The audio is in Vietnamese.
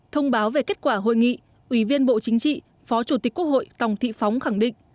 thông báo về kết quả hội nghị ủy viên bộ chính trị phó chủ tịch quốc hội tòng thị phóng khẳng định